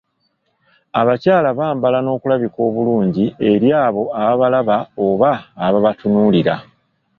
Abakyala bambala n’okulabika obulungi eri abo ababalaba oba ababatunuulira.